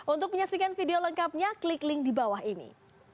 untuk menyaksikan video lengkapnya klik link di bawah ini